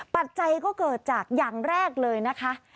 ปัจจัยก็เกิดจากอย่างแรกเลยนะคะ